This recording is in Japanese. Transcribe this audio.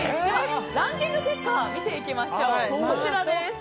ランキング結果見ていきましょう。